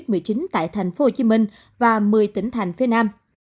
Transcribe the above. covid một mươi chín tại thành phố hồ chí minh và một mươi tỉnh thành phía nam